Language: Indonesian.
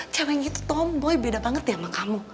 ceweknya itu tomboy beda banget ya sama kamu